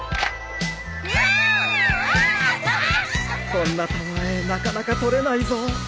こんなたまえなかなか撮れないぞ